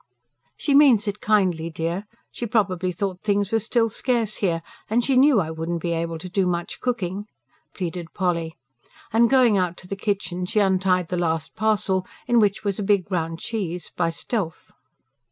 "She means it kindly, dear. She probably thought things were still scarce here; and she knew I wouldn't be able to do much cooking," pleaded Polly. And going out to the kitchen she untied the last parcel, in which was a big round cheese, by stealth.